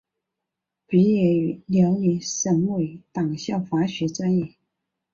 毕业于辽宁省委党校法学专业。